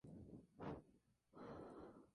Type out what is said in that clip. Actualmente es empresario del sector metal mecánico.